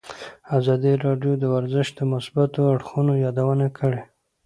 ازادي راډیو د ورزش د مثبتو اړخونو یادونه کړې.